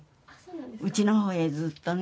うちの方へずっとね。